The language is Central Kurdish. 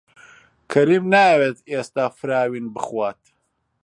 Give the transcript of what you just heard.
کەریم نایەوێت ئێستا فراوین بخوات.